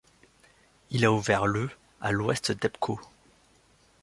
Il a ouvert le à l'ouest d'Epcot.